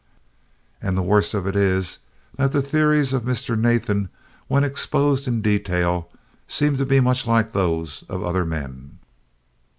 And the worst of it is that the theories of Mr. Nathan, when exposed in detail, seem to be much like those of other men.